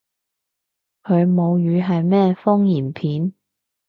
佢母語係咩方言片？